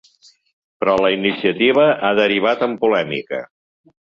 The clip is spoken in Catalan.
Però la iniciativa ha derivat en polèmica.